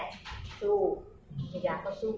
สู้มียาก็สู้